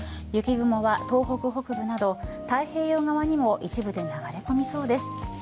雪雲は東北北部など太平洋側にも一部流れ込みそうです。